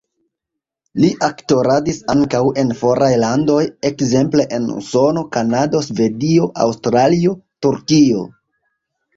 Li aktoradis ankaŭ en foraj landoj, ekzemple en Usono, Kanado, Svedio, Aŭstralio, Turkio.